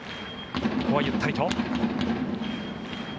ここはゆったりと。